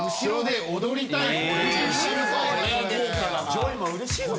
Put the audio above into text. ジョイマンうれしいぞこれ。